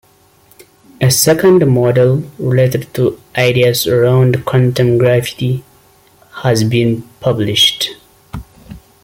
A second model, related to ideas around quantum graphity, has been published.